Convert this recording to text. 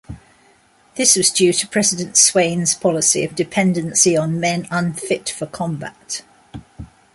This was due to President Swain's policy of dependency on men unfit for combat.